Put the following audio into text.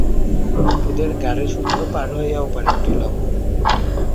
অপুদের গাড়িসুদ্ধ পার হইয়া ওপারে উঠিল।